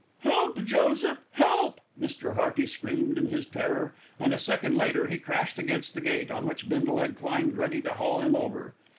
"Help, Joseph, help!" Mr. Hearty screamed in his terror and, a second later, he crashed against the gate on which Bindle had climbed ready to haul him over.